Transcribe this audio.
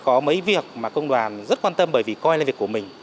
có mấy việc mà công đoàn rất quan tâm bởi vì coi đây là việc của mình